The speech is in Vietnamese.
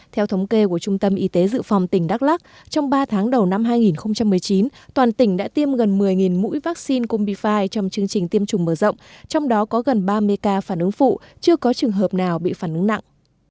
theo trung tâm y tế dự phòng tỉnh đắk lắc trong ba tháng đầu năm hai nghìn một mươi chín toàn tỉnh đã tiêm gần một mươi mũi vaccine cung bifide trong chương trình tiêm chủng mở rộng trong đó có gần ba mê ca phản ứng phụ chưa có trường hợp nào bị phản ứng nặng